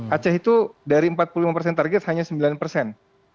aceh itu dari empat puluh lima persen target hanya sembilan persen